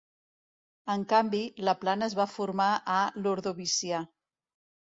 En canvi, la plana es va formar a l'ordovicià.